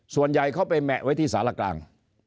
ส่วนใหญ่เขาไปแหมะไว้ที่สารกลาง